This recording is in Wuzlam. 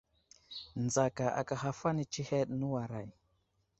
Nzaka aka haf ane tsəheɗ, nəwuray !